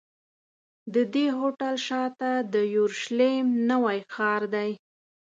د دې هوټل شاته د یورشلېم نوی ښار دی.